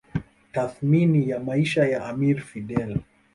Tathmini ya maisha ya amir Fidel